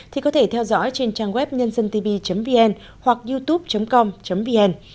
thì có thể theo dõi trên trang web nhândân tv vn hoặc youtube com vn